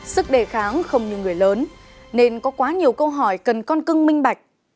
sức đề kháng không như người lớn nên có quá nhiều câu hỏi cần con cưng minh bạch